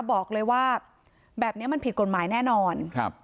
บอกเลยว่าแบบนี้มันผิดกฎหมายแน่นอนครับ